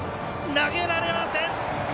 投げられません！